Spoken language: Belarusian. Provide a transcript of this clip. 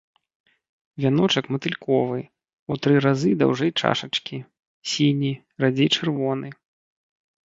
Вяночак матыльковы, у тры разы даўжэй чашачкі, сіні, радзей чырвоны.